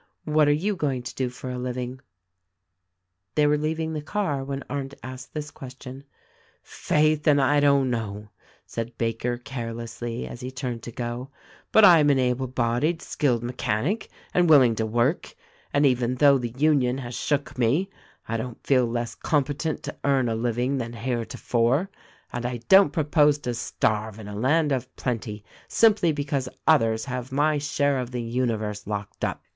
What are you going to do for a living ?" They were leaving the car when Arndt asked this ques tion. "Faith, and I don't know !" said Baker carelessly as he turned to go ; "but I'm an able bodied, skilled mechanic, and willing to work, and — even though the Union has shook me — I don't feel less competent to earn a living than heretofore ; and I don't propose to starve in a land of plenty simply be cause others have my share of the universe locked up."